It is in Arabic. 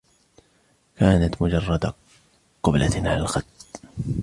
كانت مجرد قبلة على الخد.